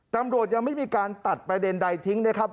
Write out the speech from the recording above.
ตำรวจยังไม่มีการตัดประเด็นใดทิ้งนะครับ